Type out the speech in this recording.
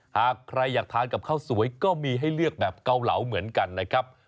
หากใครอยากทานกับข้าวสวยก็มีให้เลือกแบบเกาเหลาเหมือนกันนะครับ